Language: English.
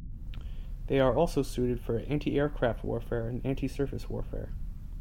They are also suited for anti-aircraft warfare and anti-surface warfare.